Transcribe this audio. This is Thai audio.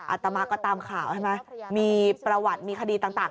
อาตมาก็ตามข่าวใช่ไหมมีประวัติมีคดีต่าง